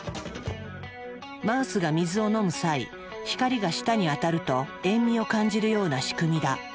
マウスが水を飲む際光が舌に当たると塩味を感じるような仕組みだ。